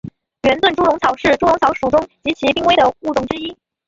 圆盾猪笼草是猪笼草属中极其濒危的物种之一。